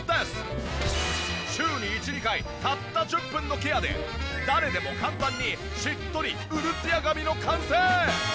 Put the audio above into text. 週に１２回たった１０分のケアで誰でも簡単にしっとりウルツヤ髪の完成！